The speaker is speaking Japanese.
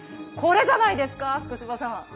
これじゃないですか福島さん。